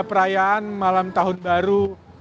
perayaan malam tahun baru